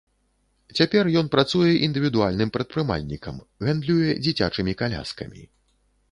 Цяпер ён працуе індывідуальным прадпрымальнікам, гандлюе дзіцячымі каляскамі.